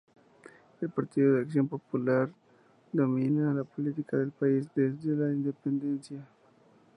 El Partido de Acción Popular domina la política del país desde la independencia.